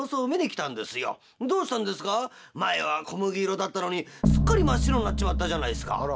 どうしたんですか前は小麦色だったのにすっかり真っ白になっちまったじゃないですか」。